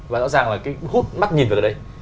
và rõ ràng là hút mắt nhìn vào đây